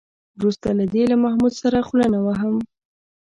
وروسته له دې له محمود سره خوله نه وهم.